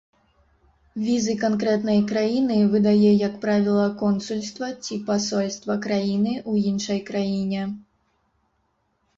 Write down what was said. Візы канкрэтнай краіны выдае як правіла консульства ці пасольства краіны ў іншай краіне.